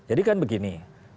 jadi kan begini